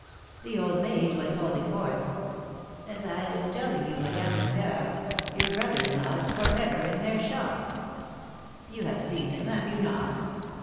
The old maid was holding forth :" As I was telling you, Madame Lecoeur, your brother in law is forever in their shop. You have seen him, have you not